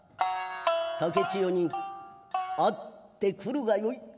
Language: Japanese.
竹千代に逢ってくるが良い。